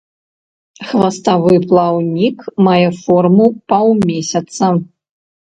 Хваставы плаўнік мае форму паўмесяца.